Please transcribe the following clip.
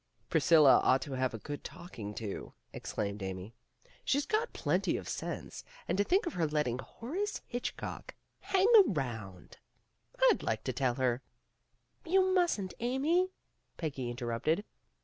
"Priscilla ought to have a good talking to," exclaimed Amy. "She's got plenty of sense, and to think of her letting Horace Hitch 85 86 PEGGY RAYMOND'S WAY cock hang around! I'd like to tell her "You mustn't, Amy," Peggy interrupted.